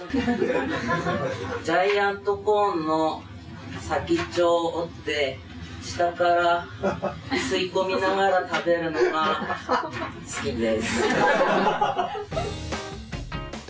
ジャイアントコーンの先っちょを折って下から吸い込みながら食べるのが好きです。